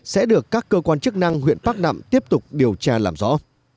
sẽ được các cơ quan chức năng huyện pháp đặm tiếp tục điều tra làm rõ